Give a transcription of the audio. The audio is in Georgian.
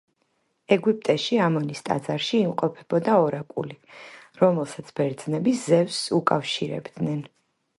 ეგვიპტეში, ამონის ტაძარში იმყოფებოდა ორაკული, რომელსაც ბერძნები ზევსს უკავშირებდნენ.